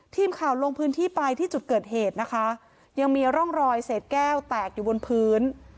ทีมข่าวลงพื้นที่ไปที่จุดเกิดเหตุนะคะยังมีร่องรอยเศษแก้วแตกอยู่บนพื้น